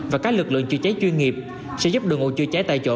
và các lực lượng chữa cháy chuyên nghiệp sẽ giúp đội ngũ chữa cháy tại chỗ